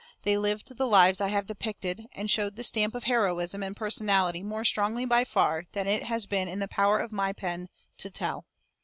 They lived the lives I have depicted, and showed the stamp of heroism and personality more strongly by far than it has been in the power of my pen to tell.